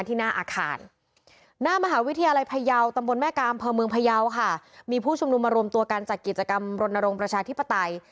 หน้าอาคารหน้ามหาวิทยาลัยพยาวตำบลแม่กามเภอเมืองพยาวค่ะมีผู้ชุมนุมมารวมตัวกันจัดกิจกรรมรณรงค์ประชาธิปไตย